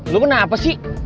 lo kenapa sih